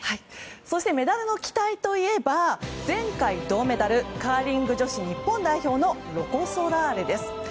そしてメダルの期待といえば前回銅メダルカーリング女子日本代表のロコ・ソラーレです。